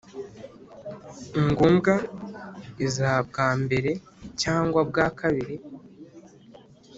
ngombwa iza bwa mbere cyangwa bwa kabiri